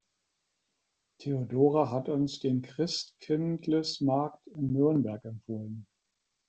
Theodora hat uns den Christkindlesmarkt in Nürnberg empfohlen.